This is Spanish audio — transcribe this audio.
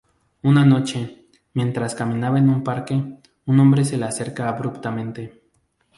Una noche, mientras camina en un parque, un hombre se le acerca abruptamente.